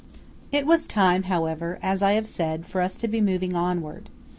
It was time, however, as I have said, for us to be moving onward.